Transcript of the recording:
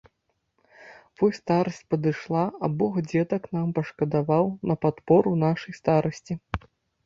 Вось старасць падышла, а бог дзетак нам пашкадаваў на падпору нашай старасці.